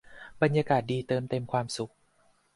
บรรยากาศดีเติมเต็มความสุข